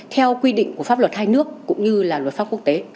theo quy định của pháp luật hai nước cũng như là luật pháp quốc tế